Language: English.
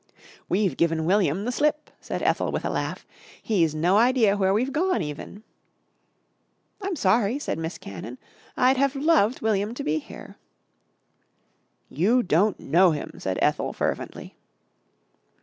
"We've given William the slip," said Ethel with a laugh. "He's no idea where we've gone even!" "I'm sorry," said Miss Cannon, "I'd have loved William to be here." "You don't know him," said Ethel fervently.